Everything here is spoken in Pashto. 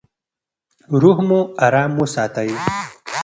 روح مو ارام وساتئ.